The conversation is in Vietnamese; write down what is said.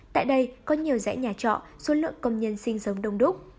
tại đây có nhiều dãy nhà trọ số lượng công nhân sinh sống đông đúc